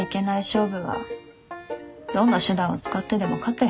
勝負はどんな手段を使ってでも勝て。